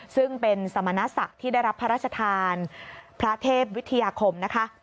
ซึ่งเป็นสมณศักดิ์ที่ได้รับพระราชทานพระเทพวิทยาคมนะคะ